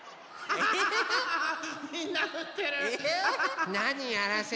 あっ！